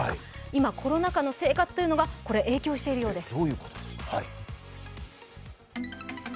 今、コロナ禍の生活というのが影響しているようです。